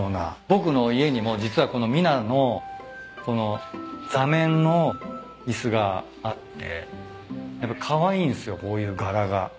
僕の家にも実はこのミナの座面の椅子があってやっぱカワイイんすよこういう柄が。